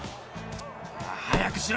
早くしろ。